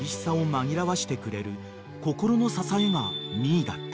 紛らわしてくれる心の支えがミィだった］